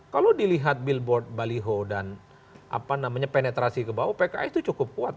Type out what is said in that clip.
kalau dilihat billboard baliho dan penetrasi ke bawah pks itu cukup kuat